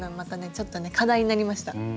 ちょっとね課題になりました。